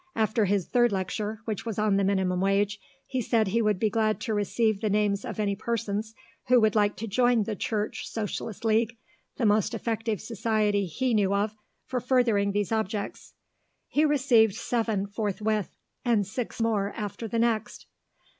After his third lecture, which was on the Minimum Wage, he said he would be glad to receive the names of any persons who would like to join the Church Socialist League, the most effective society he knew of for furthering these objects. He received seven forthwith, and six more after the next.